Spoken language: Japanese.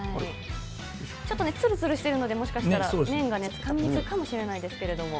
ちょっとね、つるつるしてるので、もしかしたらね、麺がつかみにくいかもしれないですけれども。